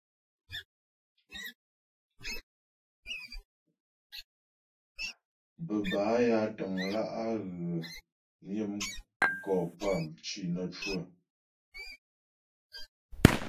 Bə́ bâ ya təŋlǎ' á ghə myə mkɔ puá cì nə́ cwə.